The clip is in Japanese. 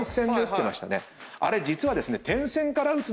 あれ実はですね。